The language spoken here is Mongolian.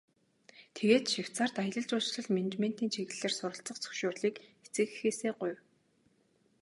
Тэгээд Швейцарьт аялал жуулчлал, менежментийн чиглэлээр суралцах зөвшөөрлийг эцэг эхээсээ гуйв.